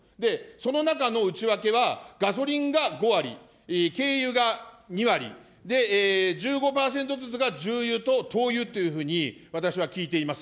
その中の内訳は、ガソリンが５割、軽油が２割、１５％ずつが重油と灯油というふうに私は聞いています。